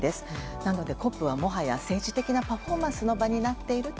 なので、ＣＯＰはもはや政治的なパフォーマンスの場になっていると